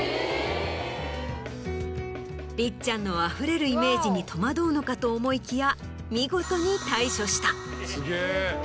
りっちゃんのあふれるイメージに戸惑うのかと思いきや。